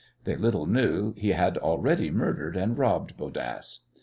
They little knew he had already murdered and robbed Bodasse.